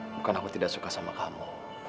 bukan aku tidak suka sama kamu